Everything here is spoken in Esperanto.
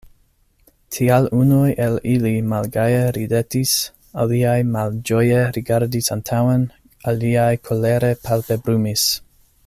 Tial unuj el ili malgaje ridetis, aliaj malĝoje rigardis antaŭen, aliaj kolere palpebrumis.